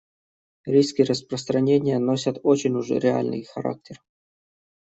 Риски распространения носят очень уж реальный характер.